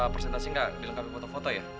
presentasi nggak dilengkapi foto foto ya